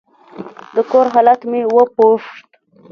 د کور حال مې وپوښت.